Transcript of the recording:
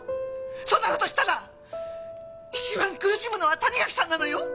そんな事をしたら一番苦しむのは谷垣さんなのよ！